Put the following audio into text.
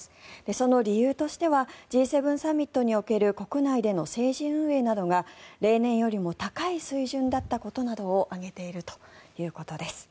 その理由としてはＧ７サミットにおける国内での政治運営などが例年よりも高い水準だったことなどを挙げているということです。